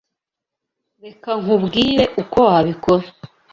Reka nkubwire uko wabikora.